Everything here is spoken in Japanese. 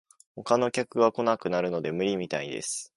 他の客が来なくなるので無理みたいです